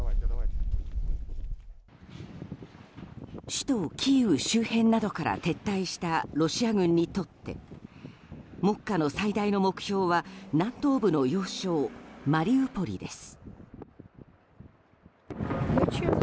首都キーウ周辺などから撤退したロシア軍にとって目下の最大の目標は南東部の要衝、マリウポリです。